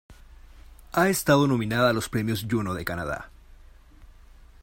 Ha estado nominada a los Premios Juno de Canadá.